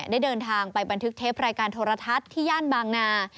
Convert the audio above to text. ได้เดินทางไปบันทึกเทปรายการโทรทัศน์ที่ย่านบางนา